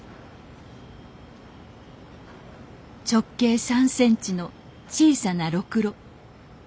直径３センチの小さなろくろ。